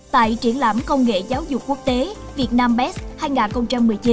tại triển lãm công nghệ giáo dục quốc tế vietnambest hai nghìn một mươi chín